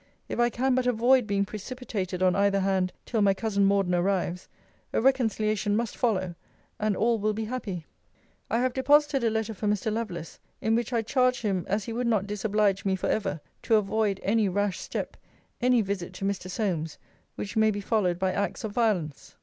If I can but avoid being precipitated on either hand, till my cousin Morden arrives, a reconciliation must follow; and all will be happy. I have deposited a letter for Mr. Lovelace; in which 'I charge him, as he would not disoblige me for ever, to avoid any rash step, any visit to Mr. Solmes, which may be followed by acts of violence.'